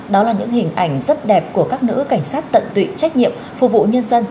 đó là những hình ảnh rất đẹp của các nữ cảnh sát tận tụy trách nhiệm phục vụ nhân dân